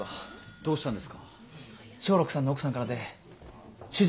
どうするんですか？